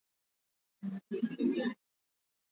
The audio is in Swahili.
Mlango ulikuwa upo wazi